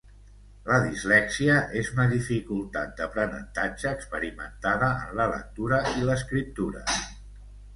La dislèxia és una dificultat d'aprenentatge experimentada en la lectura i l'escriptura.